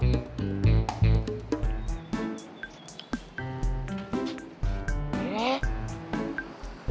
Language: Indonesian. nih bakal kacauin aja